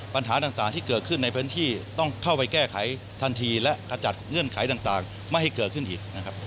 ปัญหาต่างที่เกิดขึ้นในพื้นที่ต้องเข้าไปแก้ไขทันทีและขจัดเงื่อนไขต่างไม่ให้เกิดขึ้นอีกนะครับ